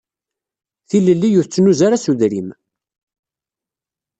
Tilelli ur tettnuz ara s udrim.